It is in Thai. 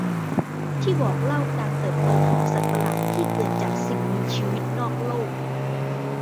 ที่บอกเล่าการเติบโตของสัตว์ประหลาดที่เกิดจากสิ่งมีชีวิตนอกโลก